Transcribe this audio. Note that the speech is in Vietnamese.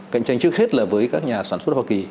cạnh tranh trước hết là với các nhà sản xuất hoa kỳ